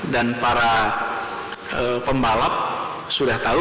dan para pembalap sudah tahu